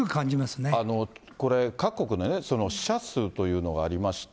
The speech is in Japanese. これ、各国で死者数というのがありまして。